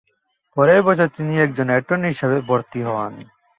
পরের বছর তিনি একজন অ্যাটর্নি হিসেবে ভর্তি হন।